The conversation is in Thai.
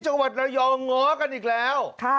จังหวัดระยองง้อกันอีกแล้ว